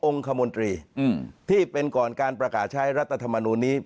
คมนตรีที่เป็นก่อนการประกาศใช้รัฐธรรมนูลนี้